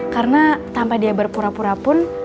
karena tanpa dia berpura pura pun